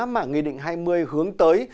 mà nghị định hai mươi hướng tới